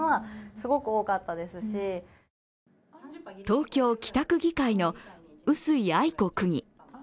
東京・北区議会の臼井愛子区議。